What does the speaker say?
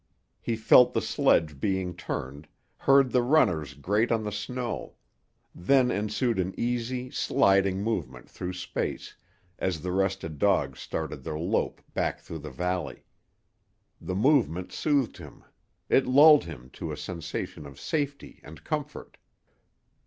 He felt the sledge being turned, heard the runners grate on the snow; then ensued an easy, sliding movement through space, as the rested dogs started their lope back through the valley. The movement soothed him. It lulled him to a sensation of safety and comfort.